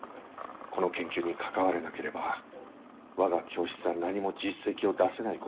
この研究に関われなければ我が教室は何も実績を出せないことになる。